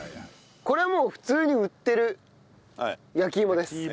これはもう普通に売ってる焼き芋です。